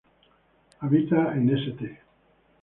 Habita en St.